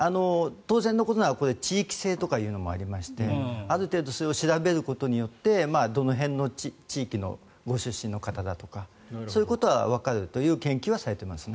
当然のことながら地域性というのもありましてある程度それを調べることによってどの辺の地域のご出身の方だとかそういうことはわかるという研究はされています。